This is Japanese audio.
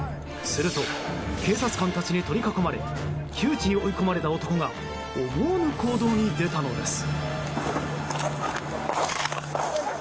すると警察官たちに取り囲まれ窮地に追い込まれた男が思わぬ行動に出たのです。